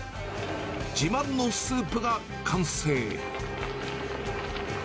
自慢のスープが完成。